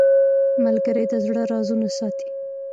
ملګری د زړه رازونه ساتي